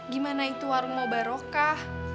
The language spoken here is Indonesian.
gimana itu warung mau barokah